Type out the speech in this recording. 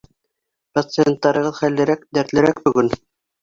Пациенттарығыҙ хәллерәк, дәртлерәк бөгөн!